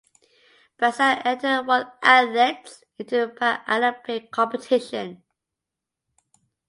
Brazil entered one athletes into the Paralympic competition.